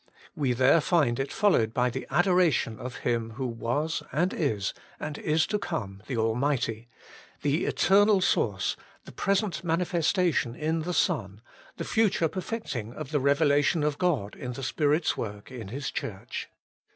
We there find it followed by the adoration of Him who was, and is, and is to come, the Almighty : the Eternal Source, the present manifestation in the Son, the future perfecting of the revelation of God in the Spirit's work in His Church.